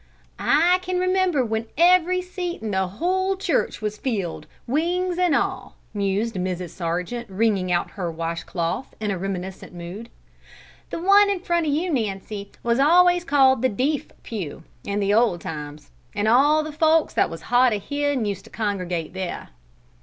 "I can remember when every seat in the whole church was filled, wings an' all," mused Mrs. Sargent, wringing out her wascloth in a reminiscent mood. "The one in front o' you, Nancy, was always called the 'deef pew' in the old times, and all the folks that was hard o' hearin' used to congregate there."